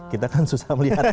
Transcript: kita kan susah melihat